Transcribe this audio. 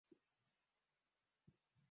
za binadamu pamoja na njia za kike